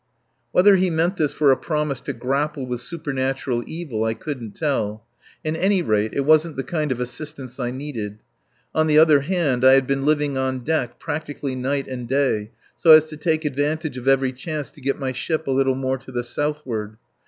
Whether he meant this for a promise to grapple with supernatural evil I couldn't tell. At any rate, it wasn't the kind of assistance I needed. On the other hand, I had been living on deck practically night and day so as to take advantage of every chance to get my ship a little more to the southward.